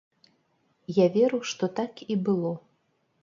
Я веру, што так і было.